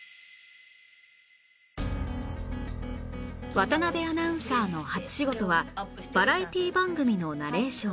渡辺アナウンサーの初仕事はバラエティ番組のナレーション